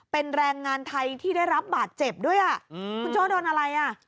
เป็นแรงงานไทยที่ได้รับบาดเจ็บด้วยอ่ะคุณโจ้โดนอะไรอ่ะ